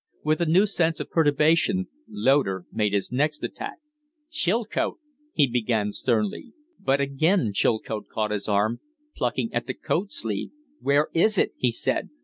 With a new sense of perturbation Loder made his next attack. "Chilcote " he began, sternly. But again Chilcote caught his arm, plucking at the coat sleeve. "Where is it?" he said.